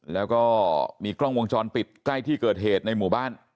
แล้วก็มีกล้องวงจรปิดใกล้ที่เกิดเหตุในหมู่บ้าน